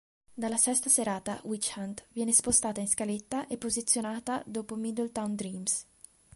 Dalla sesta serata "Witch Hunt" viene spostata in scaletta e posizionata dopo "Middletown Dreams".